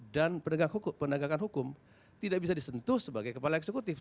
dan pendagangan hukum tidak bisa disentuh sebagai kepala eksekutif